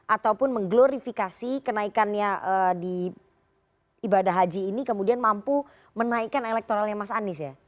ataupun mengglorifikasi kenaikannya di ibadah haji ini kemudian mampu menaikkan elektoralnya mas anies ya